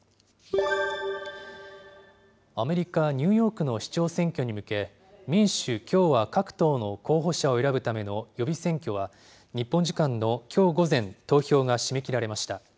アメリカ・ニューヨークの市長選挙に向け、民主、共和各党の候補者を選ぶための予備選挙は、日本時間のきょう午前、投票が締め切られました。